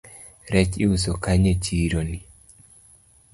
Rech iuso kanye e chironi